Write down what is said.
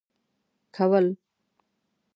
كول.